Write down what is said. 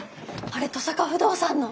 あれ登坂不動産の。